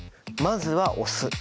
まずはお酢。